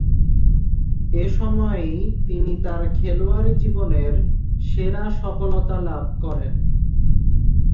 এ সময়েই তিনি তার খেলোয়াড়ী জীবনের সেরা সফলতা লাভ করেন।